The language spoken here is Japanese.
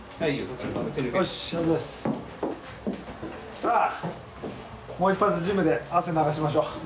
さあもう一発ジムで汗流しましょう！